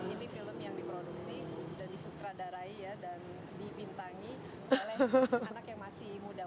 ini film yang diproduksi dan disutradarai dan dibintangi oleh anak yang masih muda